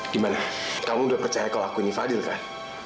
gimana kamu udah percaya kalau aku ini fadil kan